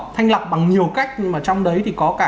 thanh lọc bằng nhiều cách nhưng mà trong đấy thì có cả